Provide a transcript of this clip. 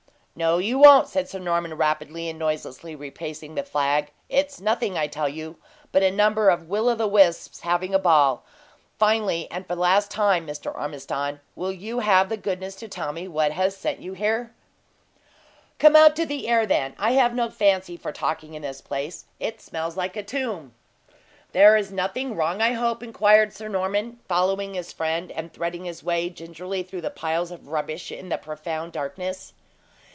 "No, you won't," said Sir Norman, rapidly and noiselessly replacing the flag. "It's nothing, I tell you, but a number of will o 'wisps having a ball. Finally, and for the last time, Mr. Ormiston, will you have the goodness to tell me what has sent you here?" "Come out to the air, then. I have no fancy for talking in this place; it smells like a tomb." "There is nothing wrong, I hope?" inquired Sir Norman, following his friend, and threading his way gingerly through the piles of rubbish in the profound darkness.